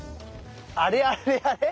あれあれあれ？